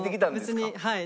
別にはい。